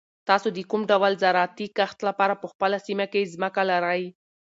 تاسو د کوم ډول زراعتي کښت لپاره په خپله سیمه کې ځمکه لرئ؟